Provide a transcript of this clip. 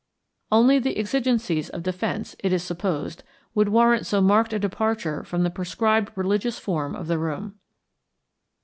Only the exigencies of defense, it is supposed, would warrant so marked a departure from the prescribed religious form of room.